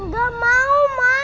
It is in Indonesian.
gak mau ma